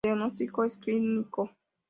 El diagnóstico es clínico.